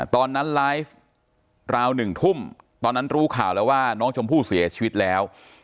ตอนนั้นไลฟ์ราว๑ทุ่มตอนนั้นรู้ข่าวแล้วว่าน้องชมพู่เสียชีวิตแล้ว